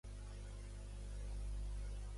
El rei queda controvertit fins a l'actualitat.